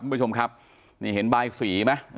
ทุกผู้ชมครับนี่เห็นบายสีมั้ย